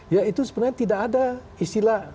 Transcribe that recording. ya itu sebenarnya tidak ada istilah